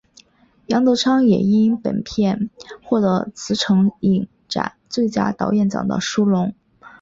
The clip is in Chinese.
杨德昌也因本片获得坎城影展最佳导演奖的殊荣。